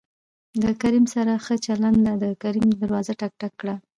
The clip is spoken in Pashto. له کريم سره ښه چلېده د کريم دروازه ټک، ټک کړه.